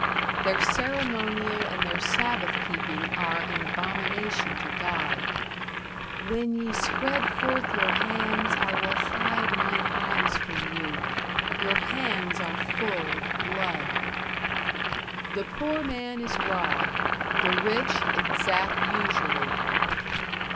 Their ceremonial and their Sabbath keeping are an abomination to God. "When ye spread forth your hands, I will hide mine eyes from you. Your hands are full of blood." The poor man is robbed. The rich exact usury.